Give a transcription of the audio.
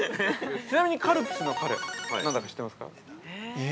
ちなみにカルピスのカル、何だか知ってますか。